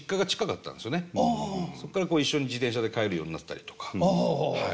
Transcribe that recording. そっからこう一緒に自転車で帰るようになったりとかはい。